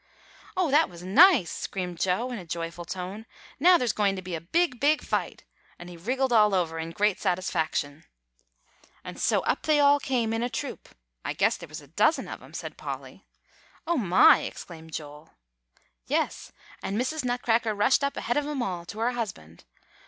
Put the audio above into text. "Oh, that was nice!" screamed Joe, in a joyful tone. "Now there's going to be a big, big fight;" and he wriggled all over in great satisfaction. "And so up they all came in a troop I guess there was a dozen of 'em," said Polly. "Oh, my!" exclaimed Joel. "Yes; and Mrs. Nutcracker rushed up ahead of 'em all, to her husband.